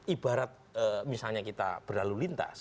ibarat misalnya kita berlalu lintas